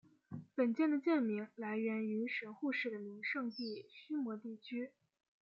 本舰的舰名来源于神户市的名胜地须磨地区。